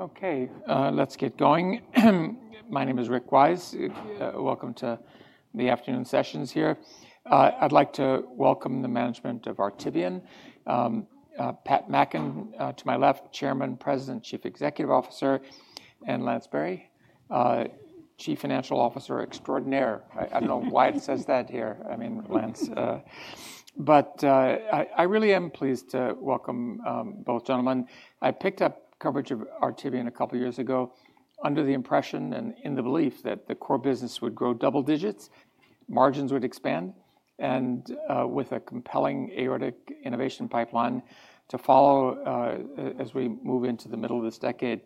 Okay, let's get going. My name is Rick Wise. Welcome to the afternoon sessions here. I'd like to welcome the management of Artivion, Pat Mackin to my left, Chairman, President, Chief Executive Officer, and Lance Berry, Chief Financial Officer Extraordinaire. I don't know why it says that here. I mean, Lance, but I really am pleased to welcome both gentlemen. I picked up coverage of Artivion a couple of years ago under the impression and in the belief that the core business would grow double digits, margins would expand, and with a compelling aortic innovation pipeline to follow as we move into the middle of this decade.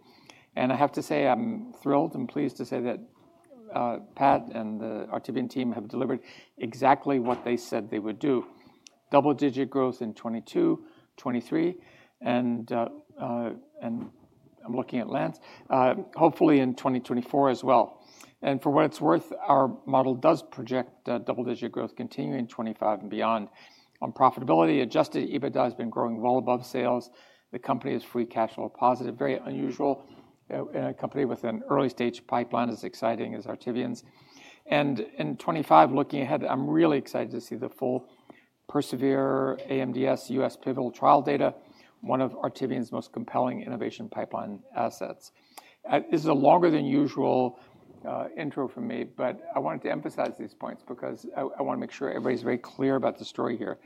I have to say I'm thrilled and pleased to say that Pat and the Artivion team have delivered exactly what they said they would do: double digit growth in 2022, 2023, and I'm looking at Lance, hopefully in 2024 as well. And for what it's worth, our model does project double digit growth continuing 2025 and beyond. On profitability, Adjusted EBITDA has been growing well above sales. The company is free cash flow positive. Very unusual in a company with an early stage pipeline as exciting as Artivion's. And in 2025, looking ahead, I'm really excited to see the full PERSEVERE, AMDS, U.S. pivotal trial data, one of Artivion's most compelling innovation pipeline assets. This is a longer than usual intro for me, but I wanted to emphasize these points because I want to make sure everybody's very clear about the story here.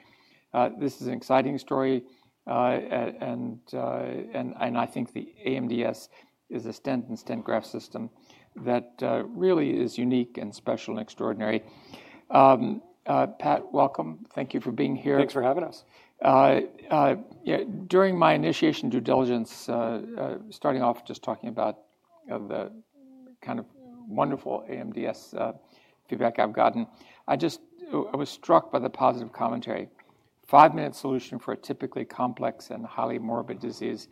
This is an exciting story, and I think the AMDS is an aortic stent graft system that really is unique and special and extraordinary. Pat, welcome. Thank you for being here. Thanks for having us. During my initiation due diligence, starting off just talking about the kind of wonderful AMDS feedback I've gotten, I was struck by the positive commentary: five-minute solution for a typically complex and highly morbid disease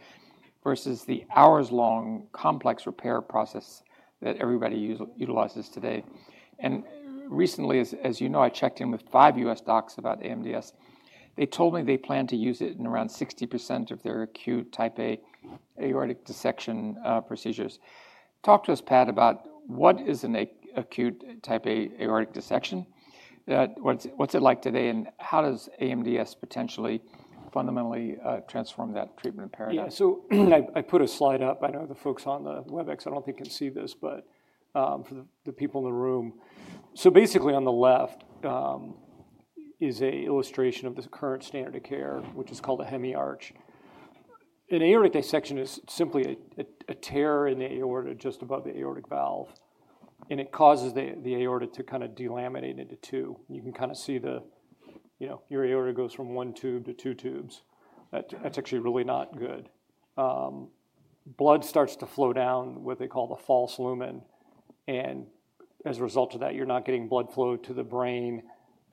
versus the hours-long complex repair process that everybody utilizes today, and recently, as you know, I checked in with five U.S. docs about AMDS. They told me they plan to use it in around 60% of their acute type A aortic dissection procedures. Talk to us, Pat, about what is an acute type A aortic dissection, what's it like today, and how does AMDS potentially fundamentally transform that treatment imperative? Yeah, so I put a slide up. I know the folks on the Webex. I don't think you can see this, but for the people in the room, so basically on the left is an illustration of the current standard of care, which is called a hemi-arch. An aortic dissection is simply a tear in the aorta just above the aortic valve, and it causes the aorta to kind of delaminate into two. You can kind of see the, you know, your aorta goes from one tube to two tubes. That's actually really not good. Blood starts to flow down what they call the false lumen, and as a result of that, you're not getting blood flow to the brain,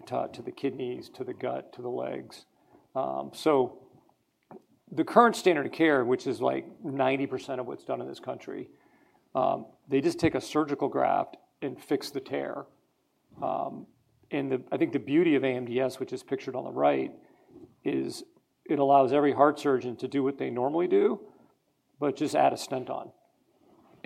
to the kidneys, to the gut, to the legs. So the current standard of care, which is like 90% of what's done in this country, they just take a surgical graft and fix the tear. And I think the beauty of AMDS, which is pictured on the right, is it allows every heart surgeon to do what they normally do, but just add a stent on.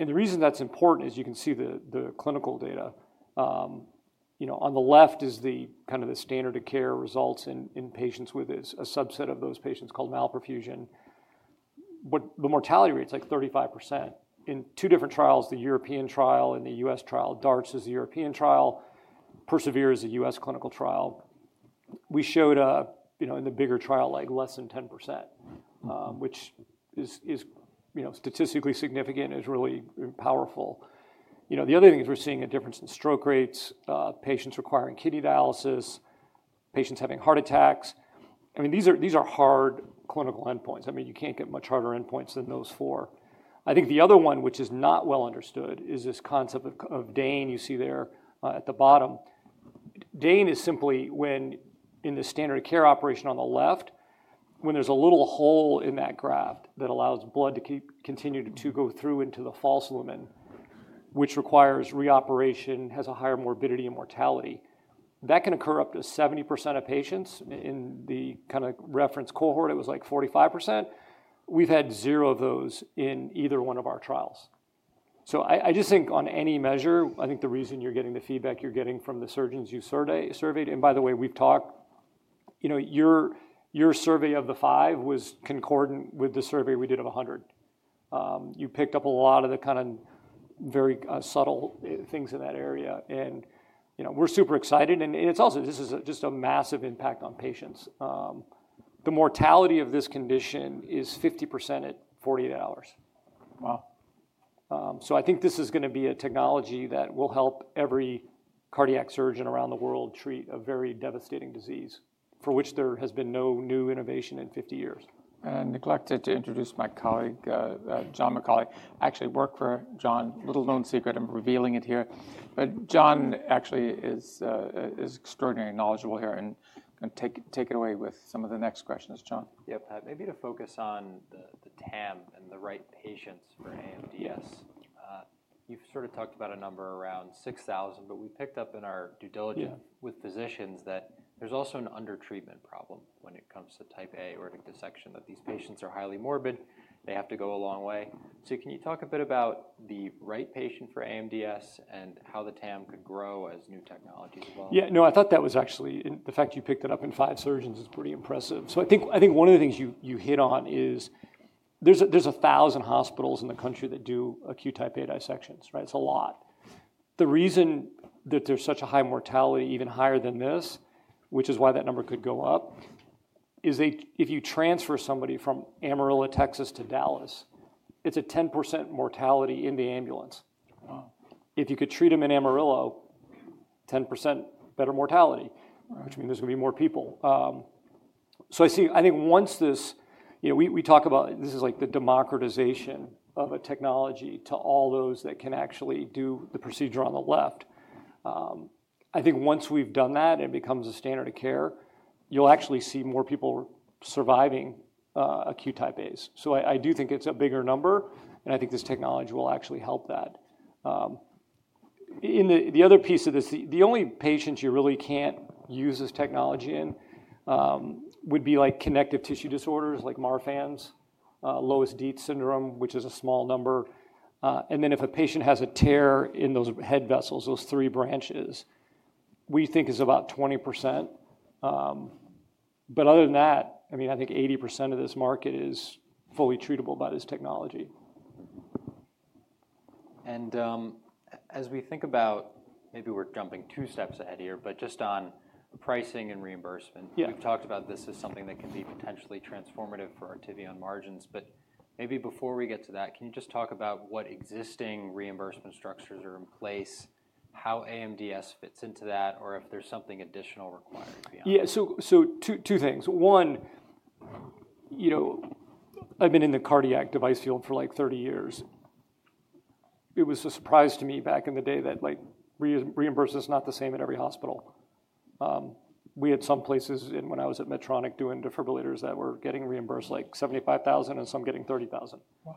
And the reason that's important is you can see the clinical data. You know, on the left is the kind of the standard of care results in patients with a subset of those patients called malperfusion. The mortality rate's like 35%. In two different trials, the European trial and the U.S. trial, DARTS is the European trial, PERSEVERE is the U.S. clinical trial. We showed, you know, in the bigger trial, like less than 10%, which is, you know, statistically significant and is really powerful. You know, the other thing is we're seeing a difference in stroke rates, patients requiring kidney dialysis, patients having heart attacks. I mean, these are hard clinical endpoints. I mean, you can't get much harder endpoints than those four. I think the other one, which is not well understood, is this concept of DANE you see there at the bottom. DANE is simply when, in the standard of care operation on the left, when there's a little hole in that graft that allows blood to continue to go through into the false lumen, which requires reoperation, has a higher morbidity and mortality. That can occur up to 70% of patients. In the kind of reference cohort, it was like 45%. We've had zero of those in either one of our trials. So, I just think on any measure, I think the reason you're getting the feedback you're getting from the surgeons you surveyed, and by the way, we've talked. You know, your survey of the five was concordant with the survey we did of 100. You picked up a lot of the kind of very subtle things in that area. And, you know, we're super excited. And it's also. This is just a massive impact on patients. The mortality of this condition is 50% at 48 hours. Wow. So I think this is going to be a technology that will help every cardiac surgeon around the world treat a very devastating disease for which there has been no new innovation in 50 years. And I neglected to introduce my colleague, John McCauley. I actually work for John, little-known secret. I'm revealing it here. But John actually is extraordinarily knowledgeable here and can take it away with some of the next questions. John. Yeah, Pat, maybe to focus on the TAM and the right patients for AMDS. You've sort of talked about a number around 6,000, but we picked up in our due diligence with physicians that there's also an under-treatment problem when it comes to type A aortic dissection, that these patients are highly morbid, they have to go a long way. So can you talk a bit about the right patient for AMDS and how the TAM could grow as new technologies evolve? Yeah, no, I thought that was actually, the fact you picked it up in five surgeons is pretty impressive. So I think one of the things you hit on is there's a thousand hospitals in the country that do acute type A dissections, right? It's a lot. The reason that there's such a high mortality, even higher than this, which is why that number could go up, is if you transfer somebody from Amarillo, Texas to Dallas, it's a 10% mortality in the ambulance. Wow. If you could treat them in Amarillo, 10% better mortality, which means there's going to be more people. So I think once this, you know, we talk about this is like the democratization of a technology to all those that can actually do the procedure on the left. I think once we've done that and it becomes a standard of care, you'll actually see more people surviving acute type A's. So I do think it's a bigger number, and I think this technology will actually help that. The other piece of this, the only patients you really can't use this technology in would be like connective tissue disorders like Marfan's, Loeys-Dietz syndrome, which is a small number. And then if a patient has a tear in those head vessels, those three branches, we think is about 20%. But other than that, I mean, I think 80% of this market is fully treatable by this technology. And as we think about, maybe we're jumping two steps ahead here, but just on pricing and reimbursement. Yeah. We've talked about this as something that can be potentially transformative for Artivion margins, but maybe before we get to that, can you just talk about what existing reimbursement structures are in place, how AMDS fits into that, or if there's something additional required beyond that? Yeah, so two things. One, you know, I've been in the cardiac device field for like 30 years. It was a surprise to me back in the day that like reimbursement's not the same at every hospital. We had some places when I was at Medtronic doing defibrillators that were getting reimbursed like $75,000 and some getting $30,000. Wow.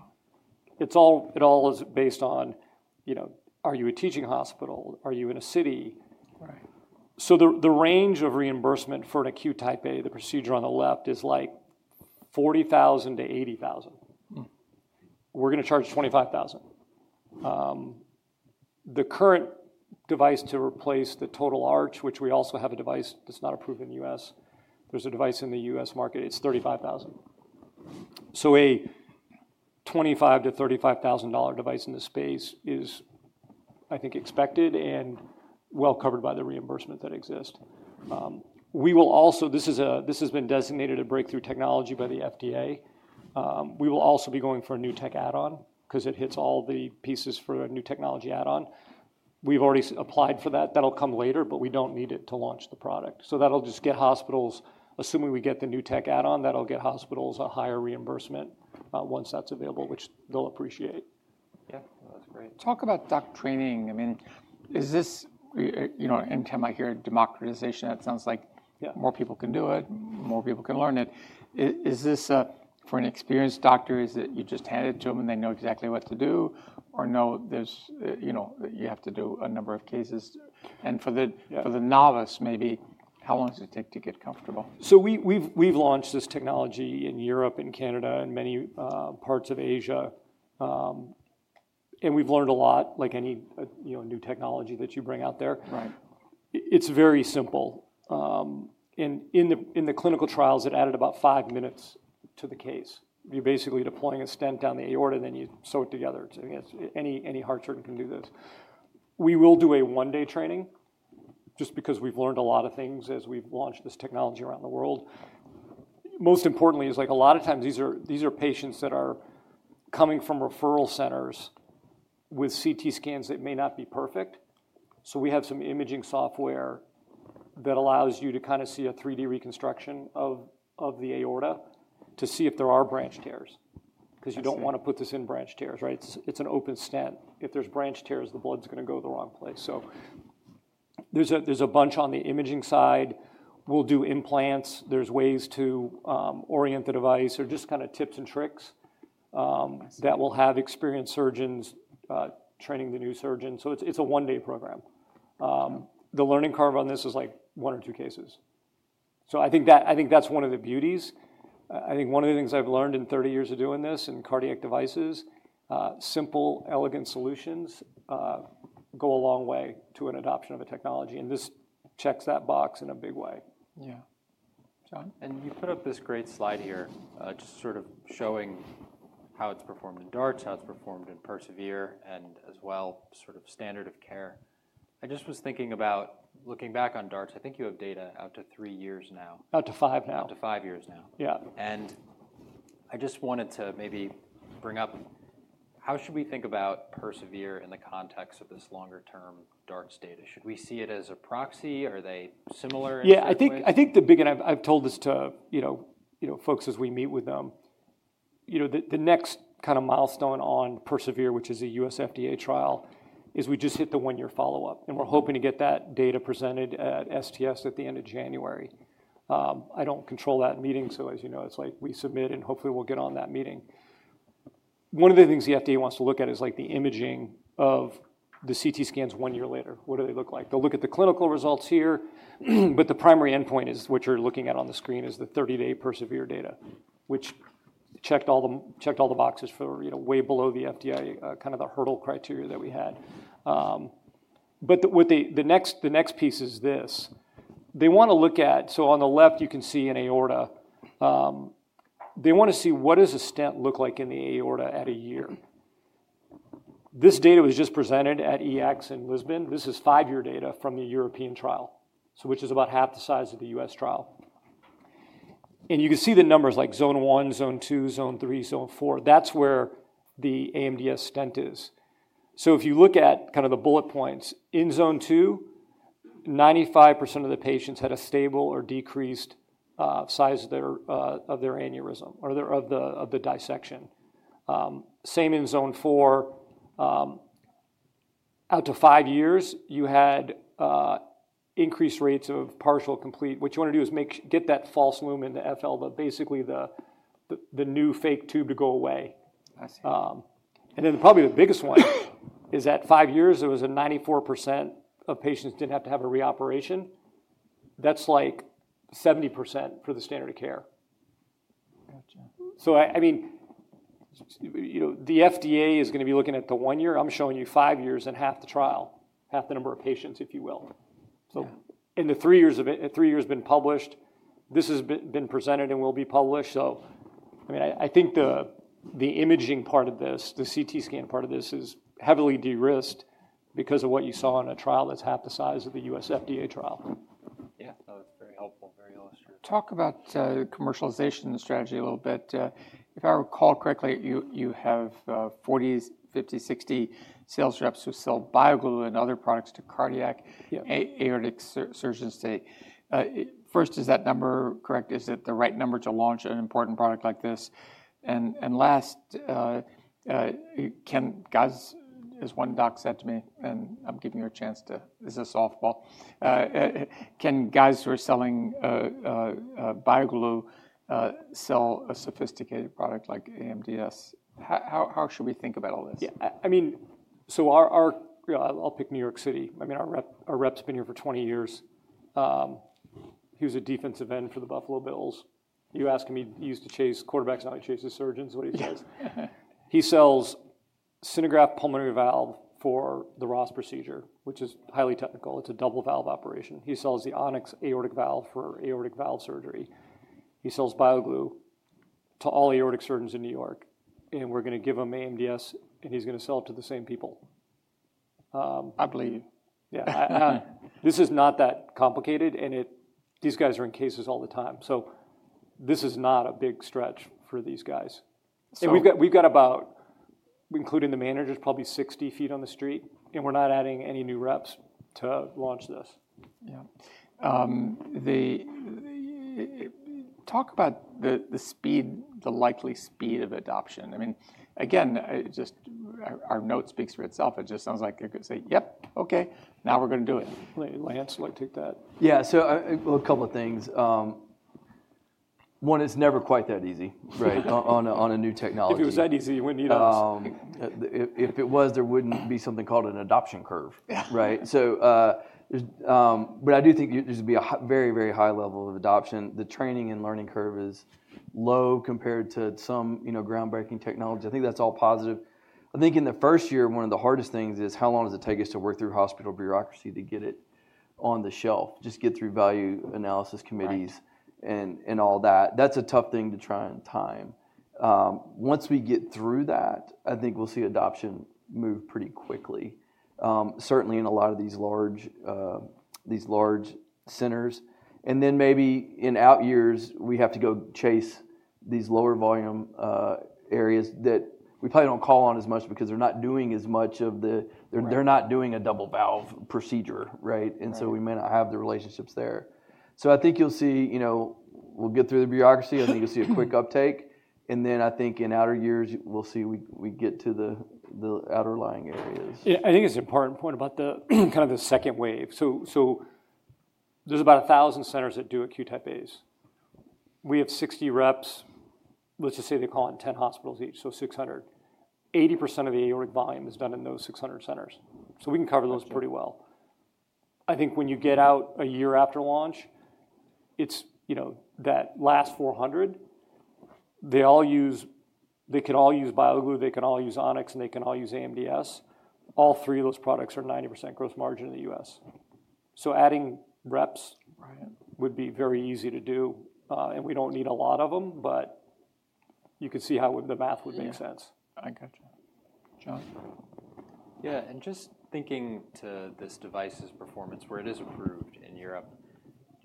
It all is based on, you know, are you a teaching hospital? Are you in a city? Right. So the range of reimbursement for an acute type A, the procedure on the left is like $40,000-$80,000. We're going to charge $25,000. The current device to replace the total arch, which we also have a device that's not approved in the U.S., there's a device in the U.S. market, it's $35,000. So a $25,000-$35,000 device in this space is, I think, expected and well covered by the reimbursement that exists. We will also, this has been designated a breakthrough technology by the FDA. We will also be going for a new tech add-on because it hits all the pieces for a new technology add-on. We've already applied for that. That'll come later, but we don't need it to launch the product. So that'll just get hospitals, assuming we get the new tech add-on, that'll get hospitals a higher reimbursement once that's available, which they'll appreciate. Yeah, that's great. Talk about doc training. I mean, is this, you know, intended? I hear democratization. That sounds like more people can do it, more people can learn it. Is this for an experienced doctor? Is it you just hand it to them and they know exactly what to do or know there's, you know, you have to do a number of cases? And for the novice, maybe how long does it take to get comfortable? So we've launched this technology in Europe and Canada and many parts of Asia, and we've learned a lot, like any, you know, new technology that you bring out there. Right. It's very simple. And in the clinical trials, it added about five minutes to the case. You're basically deploying a stent down the aorta, then you sew it together. Any heart surgeon can do this. We will do a one-day training just because we've learned a lot of things as we've launched this technology around the world. Most importantly, is like a lot of times these are patients that are coming from referral centers with CT scans that may not be perfect. So we have some imaging software that allows you to kind of see a 3D reconstruction of the aorta to see if there are branch tears. Because you don't want to put this in branch tears, right? It's an open stent. If there's branch tears, the blood's going to go the wrong place. So there's a bunch on the imaging side. We'll do implants. There's ways to orient the device. There are just kind of tips and tricks that will have experienced surgeons training the new surgeon. So it's a one-day program. The learning curve on this is like one or two cases. So I think that's one of the beauties. I think one of the things I've learned in 30 years of doing this in cardiac devices, simple, elegant solutions go a long way to an adoption of a technology, and this checks that box in a big way. Yeah. John? And you put up this great slide here just sort of showing how it's performed in DARTS, how it's performed in PERSEVERE, and as well sort of standard of care. I just was thinking about looking back on DARTS. I think you have data out to three years now. Out to five now. Out to five years now. Yeah. I just wanted to maybe bring up how should we think about PERSEVERE in the context of this longer-term DARTS data? Should we see it as a proxy? Are they similar? Yeah, I think the big, and I've told this to, you know, folks as we meet with them, you know, the next kind of milestone on PERSEVERE, which is a U.S. FDA trial, is we just hit the one-year follow-up, and we're hoping to get that data presented at STS at the end of January. I don't control that meeting, so as you know, it's like we submit and hopefully we'll get on that meeting. One of the things the FDA wants to look at is like the imaging of the CT scans one year later. What do they look like? They'll look at the clinical results here, but the primary endpoint is, which you're looking at on the screen, is the 30-day PERSEVERE data, which checked all the boxes for, you know, way below the FDA kind of the hurdle criteria that we had. But the next piece is this. They want to look at, so on the left you can see an aorta. They want to see what does a stent look like in the aorta at a year? This data was just presented at EACTS in Lisbon. This is five-year data from the European trial, which is about half the size of the U.S. trial. And you can see the numbers like zone one, zone two, zone three, zone four. That's where the AMDS stent is. So if you look at kind of the bullet points in zone two, 95% of the patients had a stable or decreased size of their aneurysm or of the dissection. Same in zone four. Out to five years, you had increased rates of partial complete. What you want to do is get that false lumen to FL, basically the new fake tube to go away. I see. Then probably the biggest one is at five years, there was 94% of patients didn't have to have a reoperation. That's like 70% for the standard of care. So I mean, you know, the FDA is going to be looking at the one year. I'm showing you five years and half the trial, half the number of patients, if you will. So in the three years of it, three years been published, this has been presented and will be published. So I mean, I think the imaging part of this, the CT scan part of this is heavily de-risked because of what you saw in a trial that's half the size of the U.S. FDA trial. Yeah, that was very helpful, very illustrative. Talk about commercialization strategy a little bit. If I recall correctly, you have 40, 50, 60 sales reps who sell BioGlue and other products to cardiac aortic surgeons today. First, is that number correct? Is it the right number to launch an important product like this? And last, can guys, as one doc said to me, and I'm giving you a chance to, this is a softball, can guys who are selling BioGlue sell a sophisticated product like AMDS? How should we think about all this? Yeah, I mean, so our, I'll pick New York City. I mean, our rep's been here for 20 years. He was a defensive end for the Buffalo Bills. You ask him, he used to chase quarterbacks, now he chases surgeons, what he says. He sells SynerGraft pulmonary valve for the Ross procedure, which is highly technical. It's a double valve operation. He sells the On-X aortic valve for aortic valve surgery. He sells BioGlue to all aortic surgeons in New York, and we're going to give him AMDS, and he's going to sell it to the same people. I believe. Yeah. This is not that complicated, and these guys are in cases all the time. So this is not a big stretch for these guys. And we've got about, including the managers, probably 60 feet on the street, and we're not adding any new reps to launch this. Yeah. Talk about the speed, the likely speed of adoption. I mean, again, just our note speaks for itself. It just sounds like they could say, yep, okay, now we're going to do it. Lance, you want to take that? Yeah, so a couple of things. One is never quite that easy, right, on a new technology. If it was that easy, you wouldn't need us. If it was, there wouldn't be something called an adoption curve, right? So there's but I do think there's going to be a very, very high level of adoption. The training and learning curve is low compared to some, you know, groundbreaking technology. I think that's all positive. I think in the first year, one of the hardest things is how long does it take us to work through hospital bureaucracy to get it on the shelf, just get through value analysis committees and all that. That's a tough thing to try and time. Once we get through that, I think we'll see adoption move pretty quickly, certainly in a lot of these large, these large centers. And then maybe in outer years, we have to go chase these lower volume areas that we probably don't call on as much because they're not doing as much of the, they're not doing a double valve procedure, right? And so we may not have the relationships there. So I think you'll see, you know, we'll get through the bureaucracy. I think you'll see a quick uptake. And then I think in outer years, we'll see we get to the outlying areas. Yeah, I think it's an important point about the kind of the second wave. So there's about a thousand centers that do acute type A's. We have 60 reps. Let's just say they call on 10 hospitals each, so 600. 80% of the aortic volume is done in those 600 centers. So we can cover those pretty well. I think when you get out a year after launch, it's, you know, that last 400, they all use, they can all use BioGlue, they can all use On-X, and they can all use AMDS. All three of those products are 90% gross margin in the U.S. So adding reps would be very easy to do. And we don't need a lot of them, but you can see how the math would make sense. I gotcha. John? Yeah, and just thinking to this device's performance where it is approved in Europe,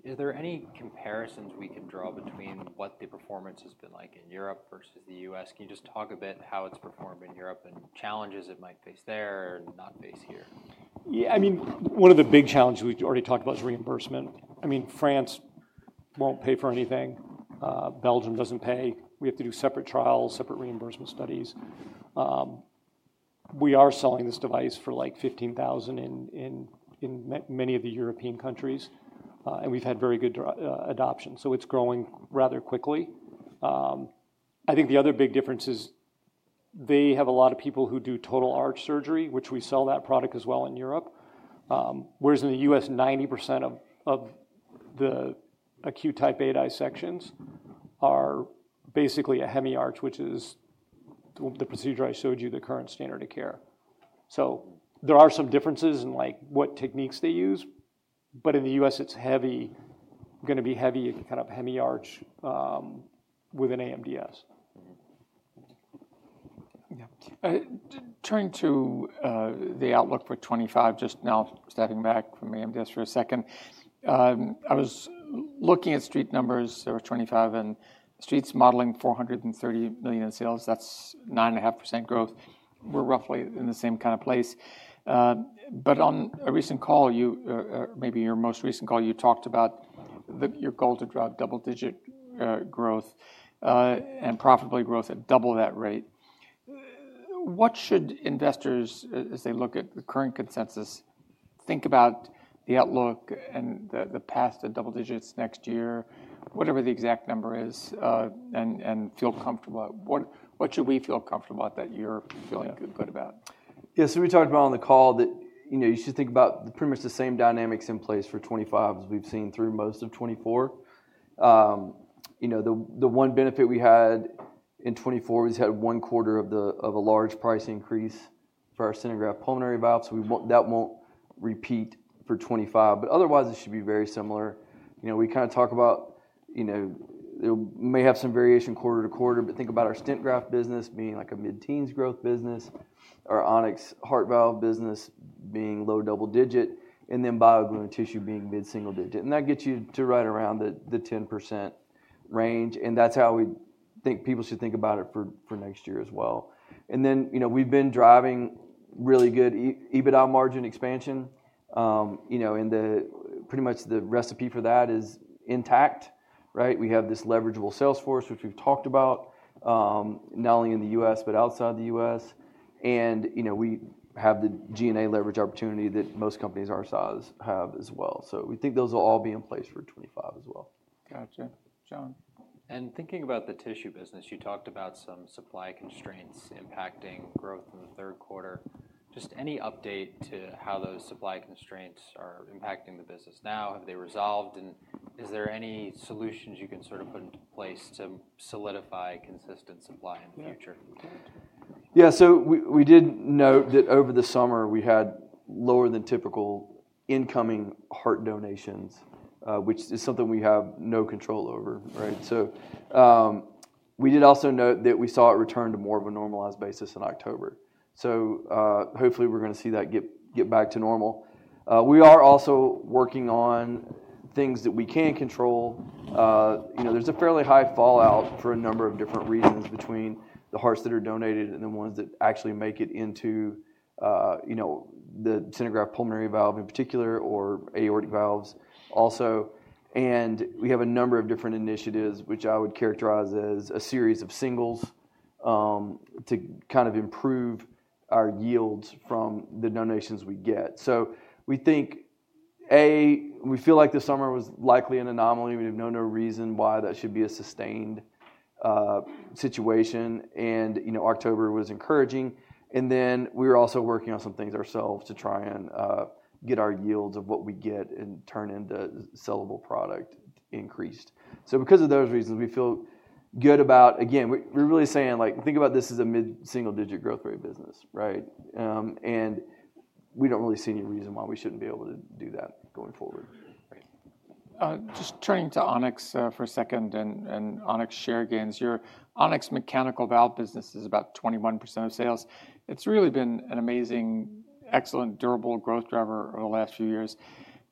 is there any comparisons we can draw between what the performance has been like in Europe versus the U.S.? Can you just talk a bit how it's performed in Europe and challenges it might face there or not face here? Yeah, I mean, one of the big challenges we've already talked about is reimbursement. I mean, France won't pay for anything. Belgium doesn't pay. We have to do separate trials, separate reimbursement studies. We are selling this device for like €15,000 in many of the European countries, and we've had very good adoption. So it's growing rather quickly. I think the other big difference is they have a lot of people who do total arch surgery, which we sell that product as well in Europe. Whereas in the U.S., 90% of the acute type A dissections are basically a hemi-arch, which is the procedure I showed you, the current standard of care. So there are some differences in like what techniques they use, but in the U.S., it's heavy, going to be heavy kind of hemi-arch with an AMDS. Yeah. Turning to the outlook for 2025, just now stepping back from AMDS for a second, I was looking at street numbers for 2025 and streets modeling $430 million in sales. That's 9.5% growth. We're roughly in the same kind of place. But on a recent call, you, or maybe your most recent call, you talked about your goal to drive double-digit growth and profitability growth at double that rate. What should investors, as they look at the current consensus, think about the outlook and the path to double digits next year, whatever the exact number is, and feel comfortable? What should we feel comfortable at that you're feeling good about? Yeah, so we talked about on the call that, you know, you should think about pretty much the same dynamics in place for 2025 as we've seen through most of 2024. You know, the one benefit we had in 2024 was we had one quarter of a large price increase for our SynerGraft pulmonary valve. So that won't repeat for 2025, but otherwise it should be very similar. You know, we kind of talk about, you know, it may have some variation quarter to quarter, but think about our stent graft business being like a mid-teens growth business, our On-X heart valve business being low double digit, and then BioGlue and tissue being mid-single digit. That gets you to right around the 10% range. That's how we think people should think about it for next year as well. And then, you know, we've been driving really good EBITDA margin expansion. You know, and pretty much the recipe for that is intact, right? We have this leverageable sales force, which we've talked about, not only in the U.S., but outside the U.S. And, you know, we have the G&A leverage opportunity that most companies our size have as well. So we think those will all be in place for 2025 as well. Gotcha. John? Thinking about the tissue business, you talked about some supply constraints impacting growth in the third quarter. Just any update to how those supply constraints are impacting the business now? Have they resolved? Is there any solutions you can sort of put into place to solidify consistent supply in the future? Yeah, so we did note that over the summer we had lower than typical incoming heart donations, which is something we have no control over, right? So we did also note that we saw it return to more of a normalized basis in October. So hopefully we're going to see that get back to normal. We are also working on things that we can control. You know, there's a fairly high fallout for a number of different reasons between the hearts that are donated and the ones that actually make it into, you know, the SynerGraft pulmonary valve in particular or aortic valves also. And we have a number of different initiatives, which I would characterize as a series of singles to kind of improve our yields from the donations we get. So we think, A, we feel like this summer was likely an anomaly. We have no known reason why that should be a sustained situation. And you know, October was encouraging. And then we were also working on some things ourselves to try and get our yields of what we get and turn into sellable product increased. So because of those reasons, we feel good about, again, we're really saying like, think about this as a mid-single digit growth rate business, right? And we don't really see any reason why we shouldn't be able to do that going forward. Just turning to On-X for a second and On-X share gains. Your On-X mechanical valve business is about 21% of sales. It's really been an amazing, excellent, durable growth driver over the last few years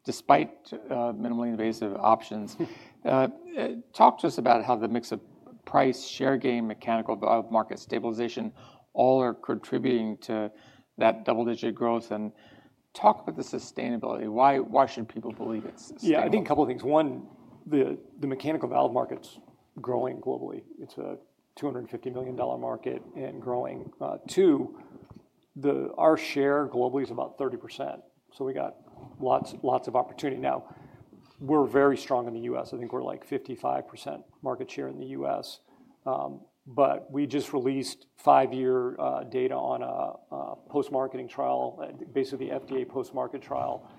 despite minimally invasive options. Talk to us about how the mix of price, share gain, mechanical valve market stabilization all are contributing to that double-digit growth. And talk about the sustainability. Why should people believe it's sustainable? Yeah, I think a couple of things. One, the mechanical valve market's growing globally. It's a $250 million market and growing. Two, our share globally is about 30%. So we got lots of opportunity. Now, we're very strong in the U.S. I think we're like 55% market share in the U.S. But we just released five-year data on a post-marketing trial, basically the FDA post-market trial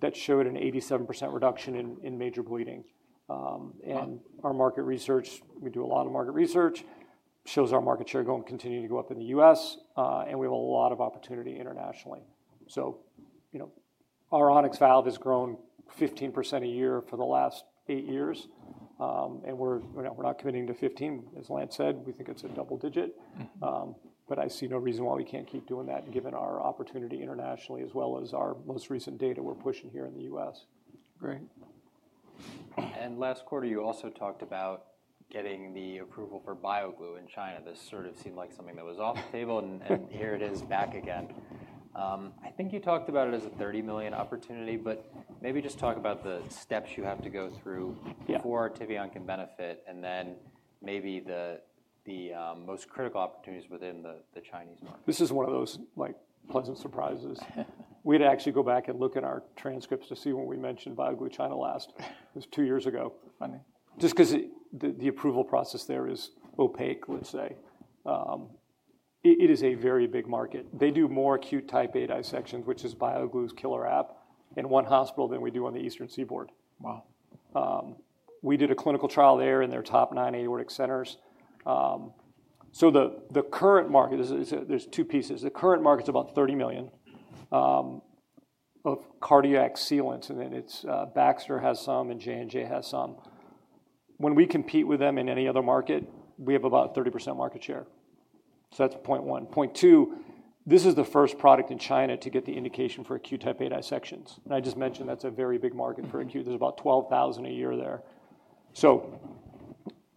that showed an 87% reduction in major bleeding. And our market research, we do a lot of market research, shows our market share going to continue to go up in the U.S. And we have a lot of opportunity internationally. So, you know, our On-X valve has grown 15% a year for the last eight years. And we're not committing to 15, as Lance said. We think it's a double digit. But I see no reason why we can't keep doing that given our opportunity internationally as well as our most recent data we're pushing here in the U.S. Great. Last quarter, you also talked about getting the approval for BioGlue in China. This sort of seemed like something that was off the table, and here it is back again. I think you talked about it as a $30 million opportunity, but maybe just talk about the steps you have to go through before Artivion can benefit and then maybe the most critical opportunities within the Chinese market. This is one of those like pleasant surprises. We had to actually go back and look at our transcripts to see when we mentioned BioGlue China last. It was two years ago. Just because the approval process there is opaque, let's say. It is a very big market. They do more acute type A dissections, which is BioGlue's killer app, in one hospital than we do on the Eastern Seaboard. Wow. We did a clinical trial there in their top nine aortic centers. So the current market, there's two pieces. The current market's about $30 million of cardiac sealants, and then it's Baxter has some and J&J has some. When we compete with them in any other market, we have about 30% market share. So that's point one. Point two, this is the first product in China to get the indication for acute type A dissections. And I just mentioned that's a very big market for acute. There's about 12,000 a year there. So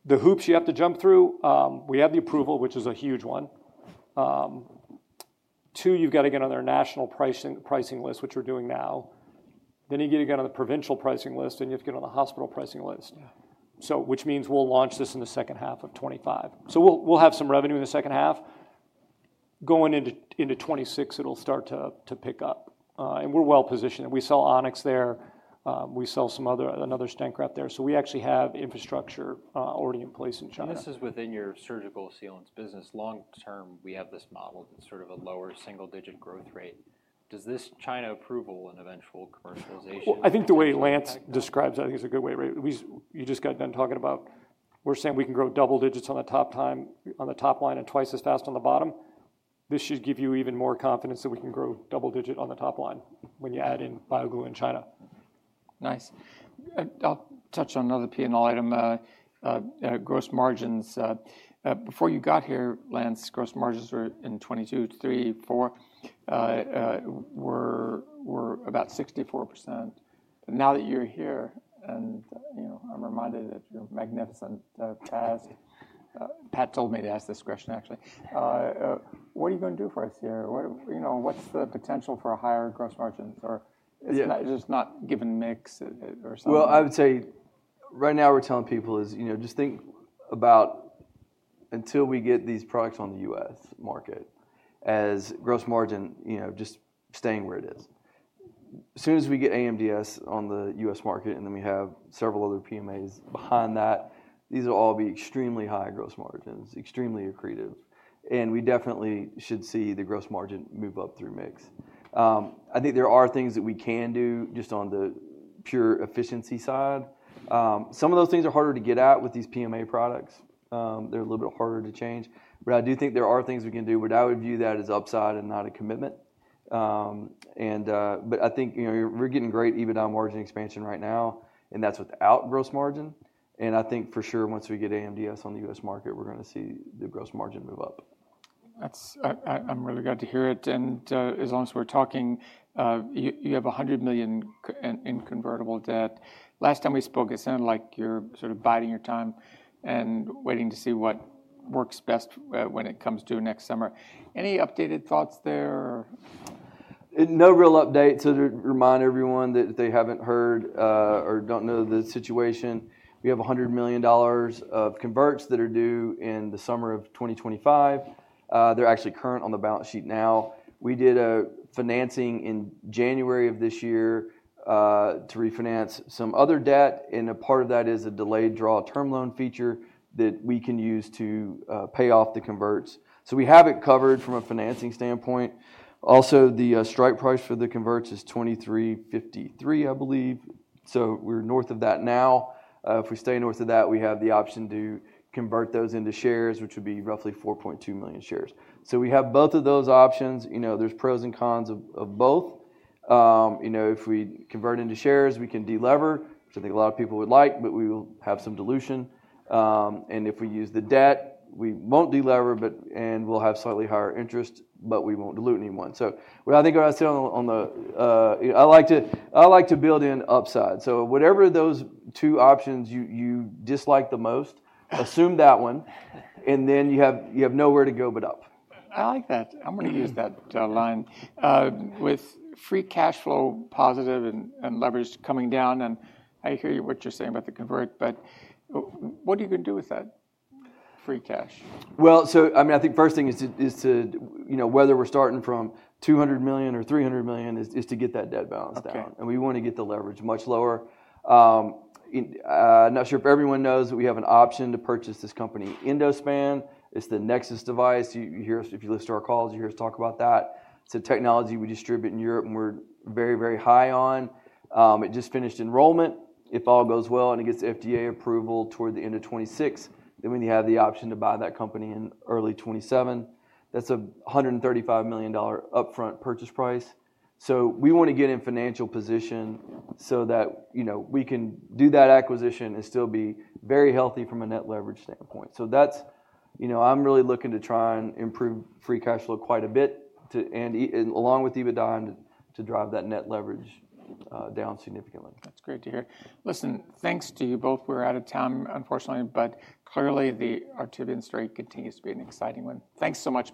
the hoops you have to jump through, we have the approval, which is a huge one. Two, you've got to get on their national pricing list, which we're doing now. Then you get to get on the provincial pricing list, and you have to get on the hospital pricing list. So, which means we'll launch this in the second half of 2025. So we'll have some revenue in the second half. Going into 2026, it'll start to pick up. And we're well positioned. We sell On-X there. We sell some other, another stent graft there. So we actually have infrastructure already in place in China. This is within your surgical sealants business. Long-term, we have this model that's sort of a lower single-digit growth rate. Does this China approval an eventual commercialization? I think the way Lance describes it, I think it's a good way, right? You just got done talking about we're saying we can grow double digits on the top line, on the top line and twice as fast on the bottom. This should give you even more confidence that we can grow double digit on the top line when you add in BioGlue in China. Nice. I'll touch on another P&L item, gross margins. Before you got here, Lance, gross margins were in 2022, 2023, 2024, were about 64%. Now that you're here and, you know, I'm reminded of your magnificent past. Pat told me to ask this question actually. What are you going to do for us here? You know, what's the potential for higher gross margins or is it just not given mix or something? I would say right now we're telling people is, you know, just think about until we get these products on the U.S. market as gross margin, you know, just staying where it is. As soon as we get AMDS on the U.S. market and then we have several other PMAs behind that, these will all be extremely high gross margins, extremely accretive. We definitely should see the gross margin move up through mix. I think there are things that we can do just on the pure efficiency side. Some of those things are harder to get at with these PMA products. They're a little bit harder to change. But I do think there are things we can do, but I would view that as upside and not a commitment. But I think, you know, we're getting great EBITDA margin expansion right now, and that's without gross margin. I think for sure once we get AMDS on the U.S. market, we're going to see the gross margin move up. That's. I'm really glad to hear it. And as long as we're talking, you have $100 million in convertible debt. Last time we spoke, it sounded like you're sort of biding your time and waiting to see what works best when it comes to next summer. Any updated thoughts there? No real updates, to remind everyone that if they haven't heard or don't know the situation. We have $100 million of converts that are due in the summer of 2025. They're actually current on the balance sheet now. We did a financing in January of this year to refinance some other debt, and a part of that is a delayed draw term loan feature that we can use to pay off the converts, so we have it covered from a financing standpoint. Also, the strike price for the converts is $23.53 I believe, so we're north of that now. If we stay north of that, we have the option to convert those into shares, which would be roughly 4.2 million shares, so we have both of those options. You know, there's pros and cons of both. You know, if we convert into shares, we can delever, which I think a lot of people would like, but we will have some dilution, and if we use the debt, we won't delever, but, and we'll have slightly higher interest, but we won't dilute anyone, so I think I'll say on the, I like to build in upside, so whatever those two options you dislike the most, assume that one, and then you have nowhere to go but up. I like that. I'm going to use that line with free cash flow positive and leverage coming down. I hear what you're saying about the convert, but what are you going to do with that free cash? I mean, I think first thing is to, you know, whether we're starting from $200 million or $300 million is to get that debt balance down, and we want to get the leverage much lower. I'm not sure if everyone knows that we have an option to purchase this company, Endospan. It's the NEXUS device. If you listen to our calls, you hear us talk about that. It's a technology we distribute in Europe and we're very, very high on. It just finished enrollment. If all goes well and it gets FDA approval toward the end of 2026, then we have the option to buy that company in early 2027. That's a $135 million upfront purchase price. We want to get in financial position so that, you know, we can do that acquisition and still be very healthy from a net leverage standpoint. So that's, you know, I'm really looking to try and improve free cash flow quite a bit and along with EBITDA to drive that net leverage down significantly. That's great to hear. Listen, thanks to you both. We're out of town, unfortunately, but clearly the Artivion story continues to be an exciting one. Thanks so much.